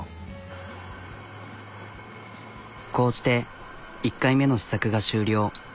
こうして１回目の試作が終了。